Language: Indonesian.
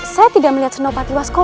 saya tidak melihat senopati wasko